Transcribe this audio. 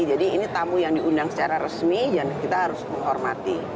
jadi ini tamu yang diundang secara resmi kita harus menghormati